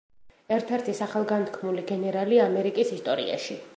ერთ-ერთი სახელგანთქმული გენერალი ამერიკის ისტორიაში.